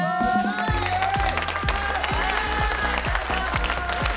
イエーイ！